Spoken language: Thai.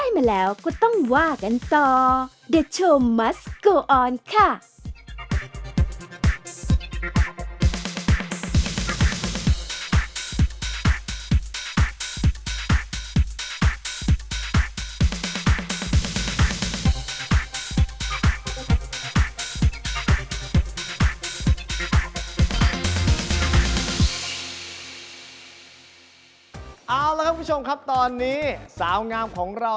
เอาละครับคุณผู้ชมครับตอนนี้สาวงามของเรา